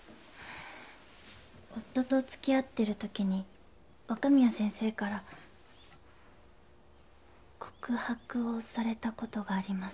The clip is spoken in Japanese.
夫と付き合ってるときに若宮先生から告白をされたことがあります。